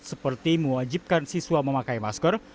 seperti mewajibkan siswa memakai masker